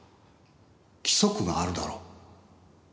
規則があるだろ。